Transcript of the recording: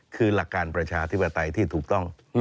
คือหลักการประชาธิปไตยที่ถูกต้อง